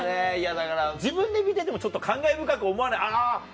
だから自分で見ててもちょっと感慨深く思わない？